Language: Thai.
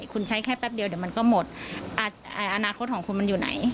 คุณใช้แค่แป๊บเดียวเดี๋ยวมันก็หมดอนาคตของคุณมันอยู่ไหน